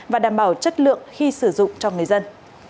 và đảm bảo chất lượng khi sử dụng cho người dân